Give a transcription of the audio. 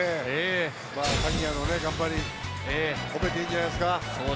鍵谷の頑張り、褒めていいんじゃないですか。